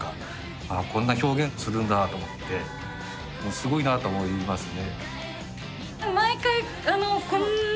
すごいなと思いますね。